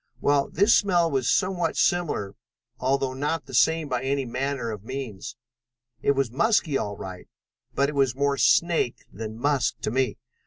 Well, this smell was somewhat similar, although not the same by any manner of means. It was musky all right, but it was more snake than musk to me.